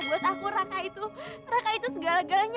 buat aku raka itu segala galanya